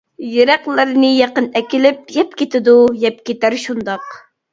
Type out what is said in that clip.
يىراقلارنى يېقىن ئەكېلىپ، يەپ كېتىدۇ يەپ كېتەر شۇنداق.